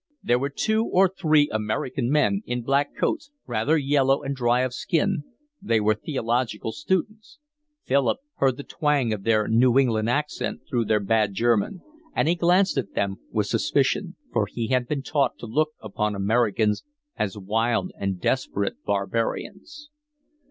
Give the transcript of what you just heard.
There were two or three American men, in black coats, rather yellow and dry of skin: they were theological students; Philip heard the twang of their New England accent through their bad German, and he glanced at them with suspicion; for he had been taught to look upon Americans as wild and desperate barbarians.